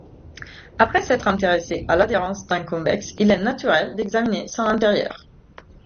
Après s'être intéressé à l'adhérence d'un convexe, il est naturel d'examiner son intérieur.